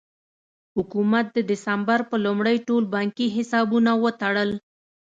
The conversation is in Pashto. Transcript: حکومت د ډسمبر په لومړۍ ټول بانکي حسابونه وتړل.